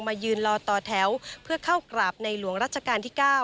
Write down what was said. ยืนรอต่อแถวเพื่อเข้ากราบในหลวงรัชกาลที่๙